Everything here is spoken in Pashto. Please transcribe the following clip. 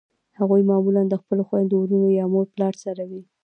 هغوی معمولأ د خپلو خویندو ورونو یا مور پلار سره وي.